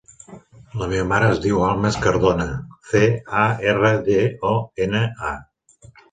La meva mare es diu Almas Cardona: ce, a, erra, de, o, ena, a.